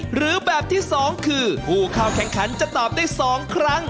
หรือแบบที่๒คือผู้เข้าแข่งขันจะตอบได้๒ครั้ง